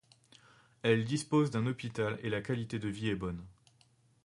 Elle dispose d'un hôpital et la qualité de vie est bonne.